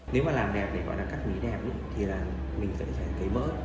nếu mà làm đẹp để gọi là cắt mí đẹp thì là mình phải cấy mỡ